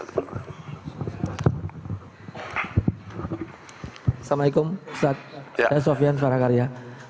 assalamu'alaikum ustaz saya sofian farah karya